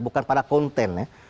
bukan pada kontennya